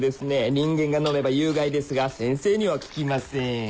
人間が飲めば有害ですが先生には効きません